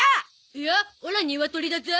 いやオラニワトリだゾ。